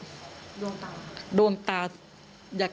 กลัวโดนตีอ้าว